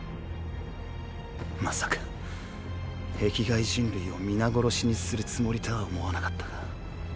まさか壁外人類を皆殺しにするつもりとは思わなかったが。